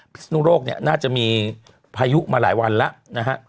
พิศนุโรคน่าจะมีพายุมาหลายวันแล้ว